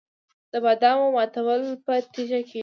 د بادامو ماتول په تیږه کیږي.